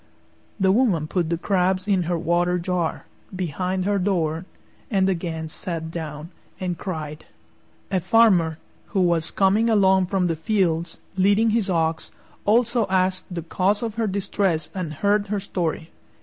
The woman put the crabs in her water jar, behind her door, and again sat down and cried. A Farmer, who was coming along from the fields, leading his ox, also asked the cause of her distress and heard her story.